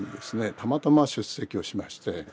たまたま出席をしまして。